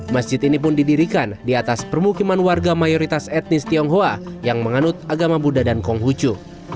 masjid ini pun didirikan di atas permukiman warga mayoritas etnis tionghoa yang menganut agama buddha dan konghucu